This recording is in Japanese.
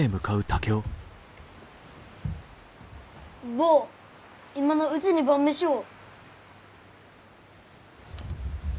坊今のうちに晩飯を。